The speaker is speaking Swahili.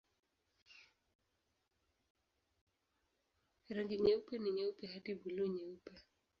Rangi yake ni nyeupe hadi buluu-nyeupe.